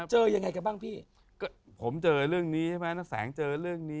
เจอยังไงกับ้าง